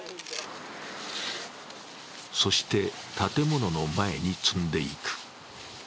そして建物の前に積んでいく。